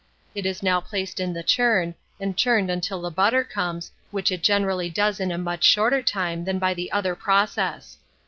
It is now placed in the churn, and churned until the butter comes, which it generally does in a much shorter time than by the other process.